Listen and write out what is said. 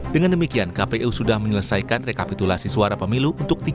dengan demikian kpu sudah menyelesaikan rekapitulasi suara pemilu untuk tiga periode